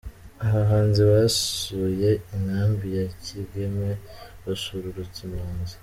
abahanzi basuye inkambi ya Kigeme basusurutsa impunzi